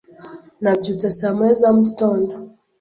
Nabyutse saa moya za mu gitondo.